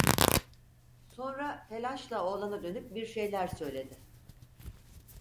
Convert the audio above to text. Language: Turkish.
Sonra telaşla oğlana dönüp bir şeyler söyledi.